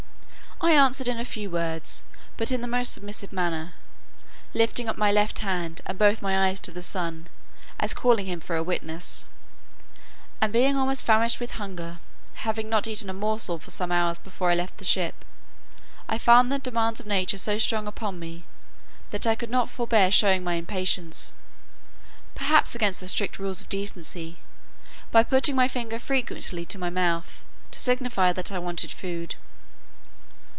I answered in a few words, but in the most submissive manner, lifting up my left hand, and both my eyes to the sun, as calling him for a witness; and being almost famished with hunger, having not eaten a morsel for some hours before I left the ship, I found the demands of nature so strong upon me, that I could not forbear showing my impatience (perhaps against the strict rules of decency) by putting my finger frequently to my mouth, to signify that I wanted food.